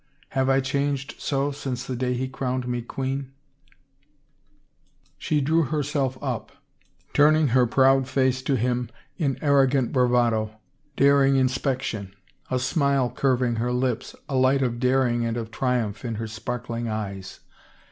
Have I changed so since the day he crowned me queen ?" She drew herself up, turning her proud face to him 315 THE FAVOR OF KINGS in arrogant bravado, daring inspection, a smile curving her lips, a light of daring and of triumph in her sparkling eyes.